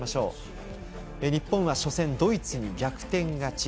日本は初戦、ドイツに逆転勝ち。